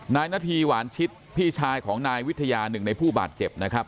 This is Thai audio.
นาธีหวานชิดพี่ชายของนายวิทยาหนึ่งในผู้บาดเจ็บนะครับ